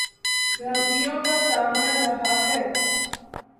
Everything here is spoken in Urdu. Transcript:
دھمکیوں کا سامنا رہا ہے